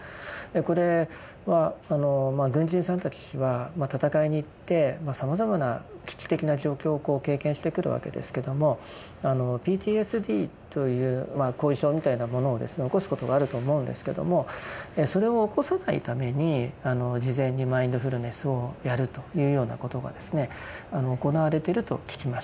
これは軍人さんたちはまあ戦いに行ってさまざまな危機的な状況を経験してくるわけですけどもＰＴＳＤというまあ後遺症みたいなものを起こすことがあると思うんですけどもそれを起こさないために事前にマインドフルネスをやるというようなことがですね行われてると聞きました。